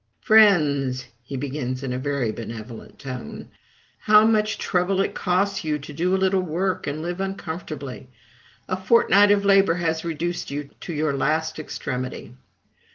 "Friends," he begins in a very benevolent tone, "how much trouble it costs you to do a little work and live uncomfortably! A fortnight of labor has reduced you to your last extremity!...